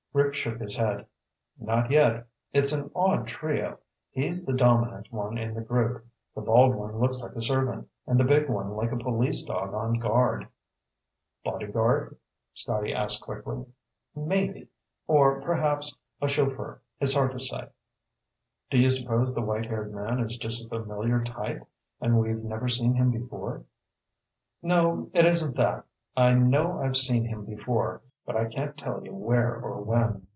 Rick shook his head. "Not yet. It's an odd trio. He's the dominant one in the group. The bald one looks like a servant, and the big one like a police dog on guard." "Bodyguard?" Scotty asked quickly. "Maybe. Or, perhaps, a chauffeur. It's hard to say." "Do you suppose the white haired man is just a familiar type and we've never seen him before?" "No. It isn't that. I know I've seen him before, but I can't tell you where or when."